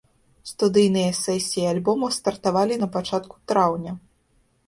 Студыйныя сесіі альбома стартавалі на пачатку траўня.